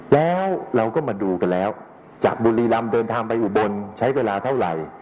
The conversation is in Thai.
แล้วเราก็มาดูกันแล้วจากบุรีรำเดินทางไปอุบลใช้เวลาเท่าไหร่